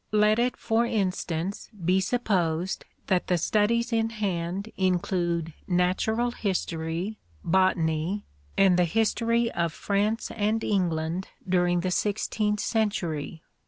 Let it, for instance, be supposed that the studies in hand include natural history, botany, and the history of France and England during the sixteenth century.